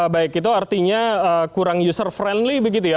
baik itu artinya kurang user friendly begitu ya